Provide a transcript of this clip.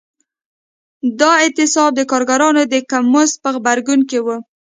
دا اعتصاب د کارګرانو د کم مزد په غبرګون کې و.